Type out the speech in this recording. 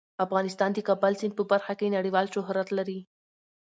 افغانستان د کابل سیند په برخه کې نړیوال شهرت لري.